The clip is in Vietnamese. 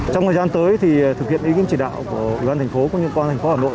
trong thời gian tới thì thực hiện ý kiến chỉ đạo của cơ quan thành phố cơ quan thành phố hà nội